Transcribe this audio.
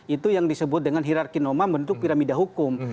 itu yang disebut dengan hirarki nomam bentuk piramida hukum